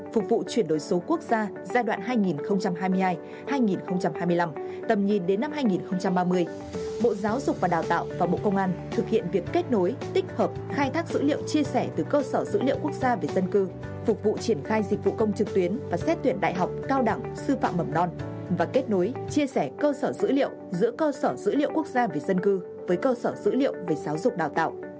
phục vụ chuyển đổi số quốc gia giai đoạn hai nghìn hai mươi hai hai nghìn hai mươi năm tầm nhìn đến năm hai nghìn ba mươi bộ giáo dục và đào tạo và bộ công an thực hiện việc kết nối tích hợp khai thác dữ liệu chia sẻ từ cơ sở dữ liệu quốc gia về dân cư phục vụ triển khai dịch vụ công trực tuyến và xét tuyển đại học cao đẳng sư phạm mầm non và kết nối chia sẻ cơ sở dữ liệu giữa cơ sở dữ liệu quốc gia về dân cư với cơ sở dữ liệu về giáo dục đào tạo